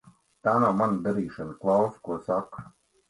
Tā nav mana darīšana. Klausi, ko saka.